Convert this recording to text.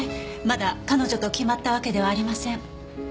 まだ彼女と決まったわけではありません。